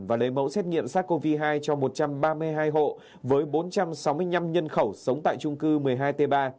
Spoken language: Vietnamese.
và lấy mẫu xét nghiệm sars cov hai cho một trăm ba mươi hai hộ với bốn trăm sáu mươi năm nhân khẩu sống tại trung cư một mươi hai t ba